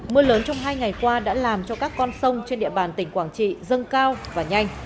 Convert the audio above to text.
mưa lớn trong hai ngày qua đã làm cho các con sông trên địa bàn tỉnh quảng trị dâng cao và nhanh